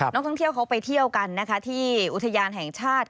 ท่องเที่ยวเขาไปเที่ยวกันนะคะที่อุทยานแห่งชาติ